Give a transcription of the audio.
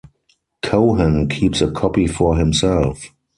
Cohen keeps a copy for himself.